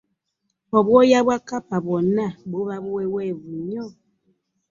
Obw'oya bwa kkapa bw'onna buba buweweevu nnyo